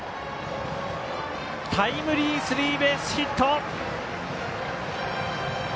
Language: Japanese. タイムリースリーベースヒット。